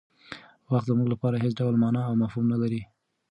وخت زموږ لپاره هېڅ ډول مانا او مفهوم نه لري.